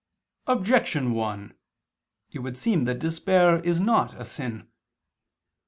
Objection 1: It would seem that despair is not a sin.